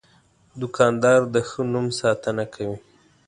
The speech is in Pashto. دوکاندار د ښه نوم ساتنه کوي.